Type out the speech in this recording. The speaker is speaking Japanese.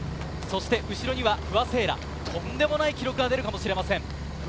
後ろには不破聖衣来、とんでもない記録が出るかもしれません。